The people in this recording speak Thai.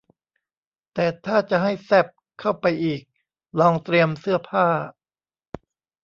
แต่ถ้าจะให้แซ่บเข้าไปอีกลองเตรียมเสื้อผ้า